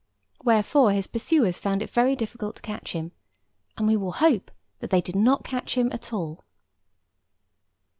Wherefore his pursuers found it very difficult to catch him; and we will hope that they did not catch him at all.